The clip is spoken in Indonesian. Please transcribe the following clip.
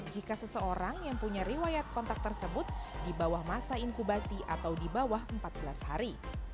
jika seseorang yang punya riwayat kontak tersebut di bawah masa inkubasi atau di bawah empat belas hari